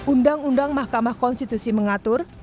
undang undang mahkamah konstitusi mengatur